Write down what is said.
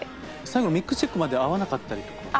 最後のミックスチェックまで会わなかったりとかは？